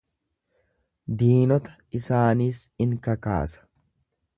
Diinota isaaniis in kakaasa.